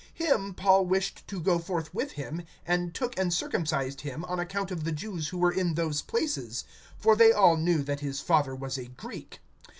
(3)Him Paul wished to go forth with him, and took and circumcised him on account of the Jews who were in those places; for they all knew that his father was a Greek.